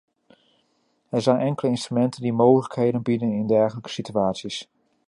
Er zijn enkele instrumenten die mogelijkheden bieden in dergelijke situaties.